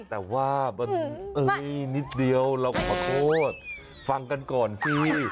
แต่ว่ีนิดเดียวขอโทษฟังกันก่อนซิ